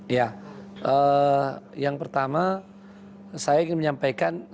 ya yang pertama saya ingin menyampaikan